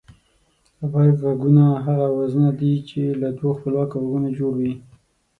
غبرگ غږونه هغه اوازونه دي چې له دوو خپلواکو غږونو جوړ وي